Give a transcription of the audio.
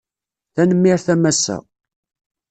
Tanmirt a massa